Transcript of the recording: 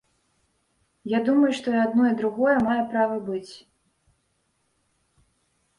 Я думаю, што і адно, і другое мае права быць.